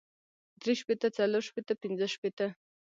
درې شپېته څلور شپېته پنځۀ شپېته